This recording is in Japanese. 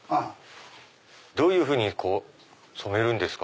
どういうふうに染めるんですか？